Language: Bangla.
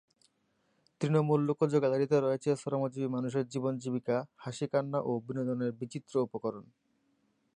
তৃণমূল লোকজ গ্যালারিতে রয়েছে শ্রমজীবী মানুষের জীবন জীবিকা, হাসি কান্না ও বিনোদনের বিচিত্র উপকরণ।